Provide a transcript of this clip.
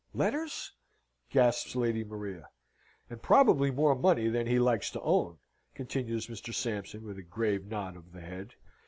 "Letters?" gasps Lady Maria. "And probably more money than he likes to own," continues Mr. Sampson, with a grave nod of the head.